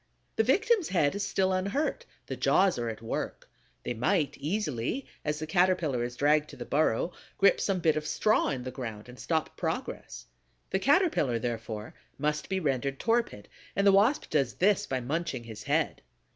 The victim's head is still unhurt, the jaws are at work; they might easily, as the Caterpillar is dragged to the burrow, grip some bit of straw in the ground and stop progress. The Caterpillar, therefore, must be rendered torpid, and the Wasp does this by munching his head.